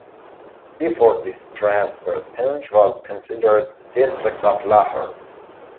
Before this transfer, Poonch was considered a district of Lahore.